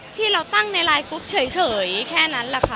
ที่เราตั้งในไลน์กรุ๊ปเฉยแค่นั้นแหละค่ะ